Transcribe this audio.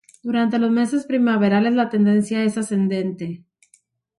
Durante los meses primaverales la tendencia es ascendente.